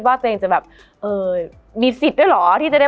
มันทำให้ชีวิตผู้มันไปไม่รอด